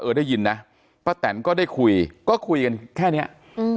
ได้ยินนะป้าแตนก็ได้คุยก็คุยกันแค่เนี้ยอืม